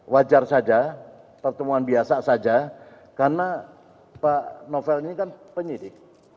wajar saja pertemuan biasa saja karena pak novel ini kan penyidik